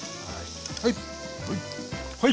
はい！